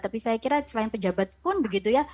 tapi saya kira selain pejabat pun begitu ya